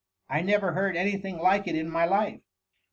I never heard any thing like it in my life.